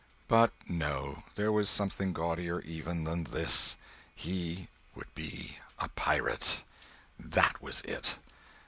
But no, there was something gaudier even than this. He would be a pirate! That was it!